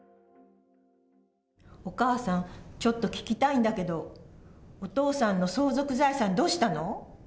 お母さん、ちょっと聞きたいんだけど、お父さんの相続財産、どうしたの？